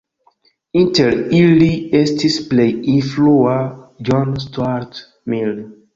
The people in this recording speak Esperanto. Inter ili estis plej influa John Stuart Mill.